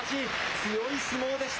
強い相撲でした。